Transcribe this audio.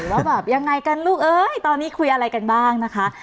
ว่าแบบยังไงกันลูกเอ้ยตอนนี้คุยอะไรกันบ้างนะคะ